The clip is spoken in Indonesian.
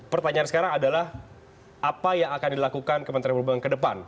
pertanyaan sekarang adalah apa yang akan dilakukan kementerian perhubungan ke depan